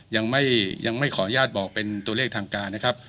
ยังไม่ยังไม่ขออนุญาตบอกเป็นตัวเลขทางการนะครับ